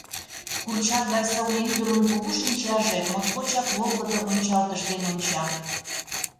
Курчак гай сылне ӱдырын кугу шинчаже Моткочак волгыдо ончалтыш ден онча.